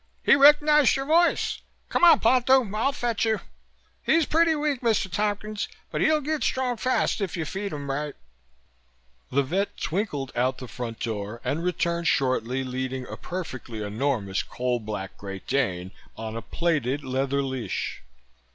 "He recognized your voice. Come on, Ponto. I'll fetch you. He's pretty weak, Mr. Tompkins, but he'll get strong fast if you feed him right." The vet twinkled out the front door and returned shortly, leading a perfectly enormous coal black Great Dane on a plaited leather leash.